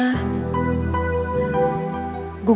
gugu bilang ke dia